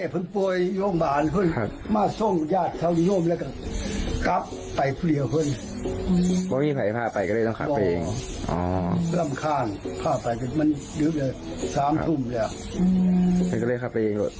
เพราะว่าผมเลยจะขับรถเองค่ะ